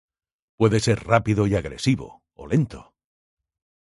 Puede ser rápido y agresivo o lento.